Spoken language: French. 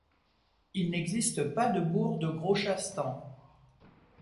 Il n'existe pas de bourg de Gros-Chastang.